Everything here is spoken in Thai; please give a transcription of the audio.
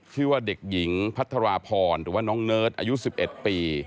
ชื่อว่าเด็กหญิงพัทรพรหรือว่าน้องเนิร์ดอายุ๑๑ปี